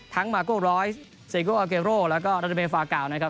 ทั้งมาโกร้อยเซโกอเกโรแล้วก็ราดิเมฟาเกานะครับ